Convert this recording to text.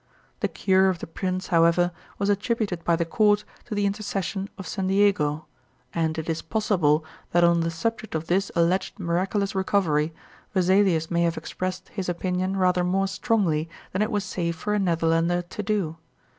The cure of the prince, however, was attributed by the court to the intercession of St. Diego, and it is possible that on the subject of this alleged miraculous recovery Vesalius may have expressed his opinion rather more strongly than it was safe for a Netherlander to do.